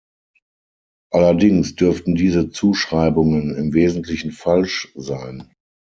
Allerdings dürften diese Zuschreibungen im Wesentlichen falsch sein.